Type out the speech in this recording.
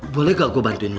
boleh gak gue bantuin lo